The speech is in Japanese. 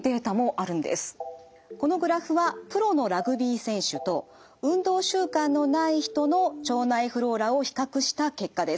このグラフはプロのラグビー選手と運動習慣のない人の腸内フローラを比較した結果です。